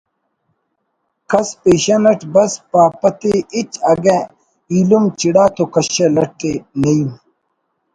کس پیشن اٹ بس پاپہ تے ہِچ اگہ ایلم چڑا تو کشہ لٹ ءِ“ نعیم